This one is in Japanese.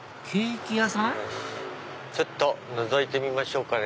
ちょっとのぞいてみましょうか。